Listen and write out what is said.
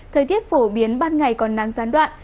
thời tiết phổ biến ban ngày còn nắng gián đoạn